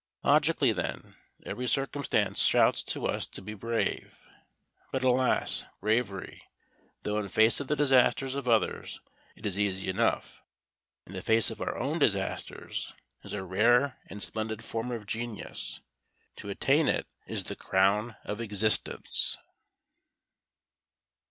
Logically, then, every circumstance shouts to us to be brave. But, alas! bravery, though in face of the disasters of others it is easy enough, in the face of our own disasters is a rare and splendid form of genius, To attain it is the crown of existence.